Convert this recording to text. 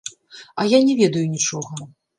А я не ведаю нічога.